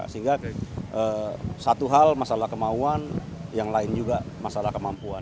sehingga satu hal masalah kemauan yang lain juga masalah kemampuan